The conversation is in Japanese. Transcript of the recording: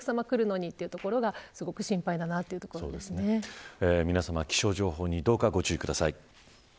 久しぶりにお客さまが来るのにというところが皆さま気象情報にご注意ください。